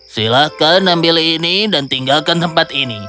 silahkan ambil ini dan tinggalkan tempat ini